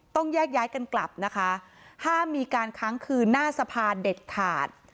ต้องแยกย้ายกันกลับนะคะห้ามมีการค้างคืนหน้าสภาเด็ดขาด